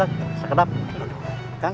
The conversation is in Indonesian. wah apa yang bertahan